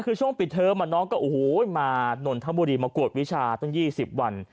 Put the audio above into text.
คือช่วงปิดเทอมน้องก็โอ้โหมานนทบุรีมากวดวิชาตั้ง๒๐วัน